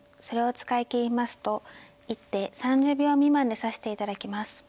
それを使い切りますと一手３０秒未満で指して頂きます。